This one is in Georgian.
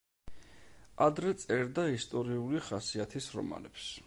ადრე წერდა ისტორიული ხასიათის რომანებს.